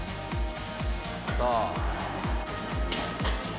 さあ。